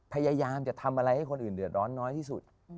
พยายามจะทำอะไรให้คนอื่นเดือดร้อนน้อยที่สุด